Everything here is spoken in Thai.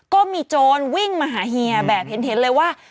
ก็มีโจรวิ่งมาหาเฮียแบบเห็นเลยว่า